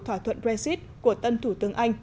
thỏa thuận brexit của tân thủ tướng anh